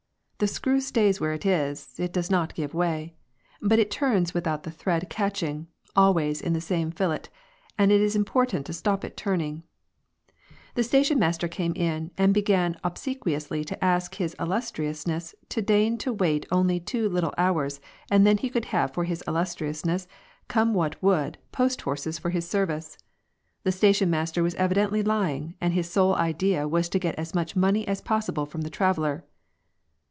The screw stays where it is ; it does not give way, but it turns without the thread catching, always in the same fillet, and it is impossible to stop turning it. The station master came in and began obsequiously to ask his illustriousness to deign to wait only two " little hours," and then he could have for his illustriousness, come what would, post horses for his service. The station master was evidently lying, and his sole idea was to get as much money as possible horn the traveller.